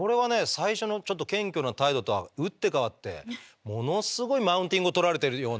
最初のちょっと謙虚な態度とは打って変わってものすごいマウンティングをとられてるような。